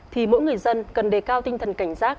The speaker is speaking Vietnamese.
thì mỗi người dân cần đề cao tinh thần cảnh giác